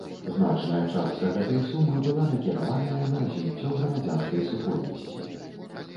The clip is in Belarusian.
Значная частка гэтай сумы была накіраваная на развіццё грамадзянскай супольнасці.